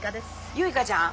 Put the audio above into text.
唯花ちゃん。